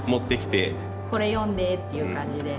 「これ読んで」っていう感じで。